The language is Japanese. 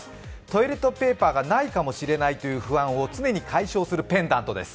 トイレットペーパーがないかもしれないという不安を常に解消するペンダントです。